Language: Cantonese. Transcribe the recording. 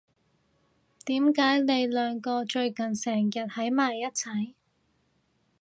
點解你兩個最近成日喺埋一齊？